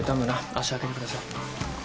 足上げてください。